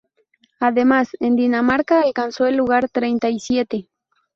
Además, en Dinamarca alcanzó el lugar treinta y siete.